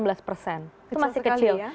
itu masih kecil